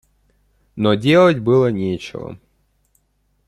Но делать было нечего.